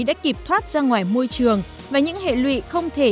đã kịp thoát ra ngoài môi trường và những hệ lụy không thể